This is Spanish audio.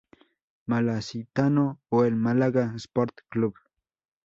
Malacitano o el Málaga Sport Club.